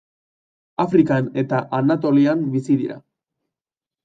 Afrikan eta Anatolian bizi dira.